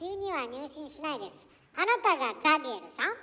あなたがザビエルさん？